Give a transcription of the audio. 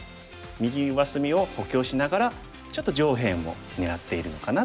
右上隅を補強しながらちょっと上辺も狙っているのかなという手。